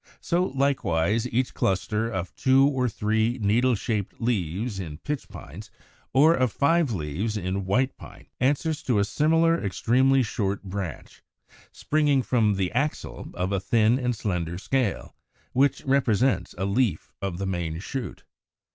So, likewise, each cluster of two or three needle shaped leaves in Pitch Pines (as in Fig. 185), or of five leaves in White Pine, answers to a similar extremely short branch, springing from the axil of a thin and slender scale, which represents a leaf of the main shoot.